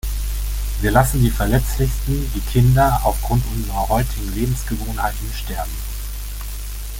Wir lassen die Verletzlichsten, die Kinder, auf Grund unserer heutigen Lebensgewohnheiten sterben.